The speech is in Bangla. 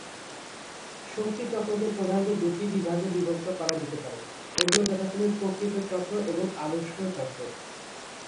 শক্তি চক্রকে প্রধানত দুটি বিভাগে বিভক্ত করা যেতে পারে: এগুলো যথাক্রমে প্রকৃত চক্র এবং আদর্শ চক্র।